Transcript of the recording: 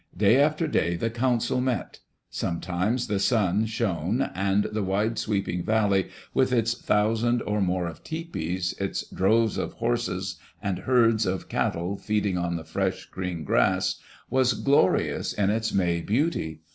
Day after day the council met. Sometimes the sun shone and the wide sweeping valley, with its thousand or more of tepees, its droves of horses and herds of cattle feeding on the fresh green grass, was glorious in its May beauty.